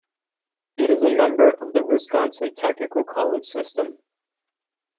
It is a member of the Wisconsin Technical College System.